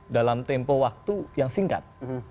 dalam tempo waktu yang singkat